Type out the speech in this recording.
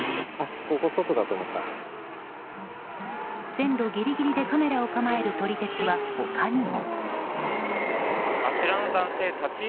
線路ギリギリでカメラを構える撮り鉄は他にも。